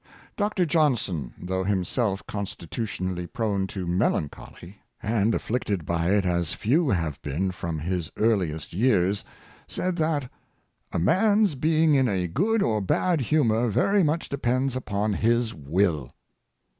Dr. Johnson, though himself constitutionally prone to melancholy, and afflicted by it as few have been from his earliest years, said that " a man's being in a good or bad humor very much depends upon his will."